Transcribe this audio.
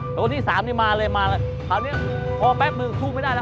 แต่วันที่สามนี่มาเลยมาเลยคราวนี้พอแป๊บนึงสู้ไม่ได้แล้ว